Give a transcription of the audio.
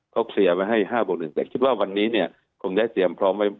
ก็เตรียมไว้ให้๕บวกหนึ่งแต่ว่าวันนี้เนี่ยคงได้เตรียมพร้อมไว้